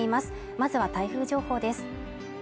まずは台風情報です